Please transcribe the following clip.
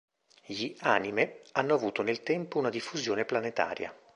Gli "anime" hanno avuto nel tempo una diffusione planetaria.